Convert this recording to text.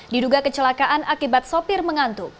diduga kecelakaan akibat sopir mengantuk